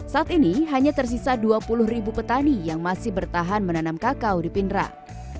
saat ini hanya tersisa dua puluh ribu petani yang masih bertahan menanam kakao di pindrang